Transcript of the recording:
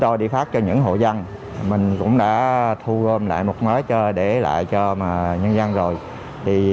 tôi đi phát cho những hộ dân mình cũng đã thu gom lại một mớ chơi để lại cho mà nhân dân rồi thì